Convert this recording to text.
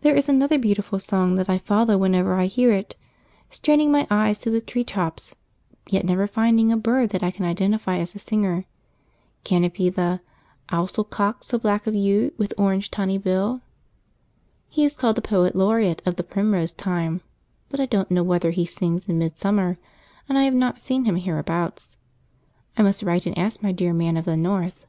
There is another beautiful song that I follow whenever I hear it, straining my eyes to the treetops, yet never finding a bird that I can identify as the singer. Can it be the "Ousel cock so black of hue, With orange tawny bill"? He is called the poet laureate of the primrose time, but I don't know whether he sings in midsummer, and I have not seen him hereabouts. I must write and ask my dear Man of the North.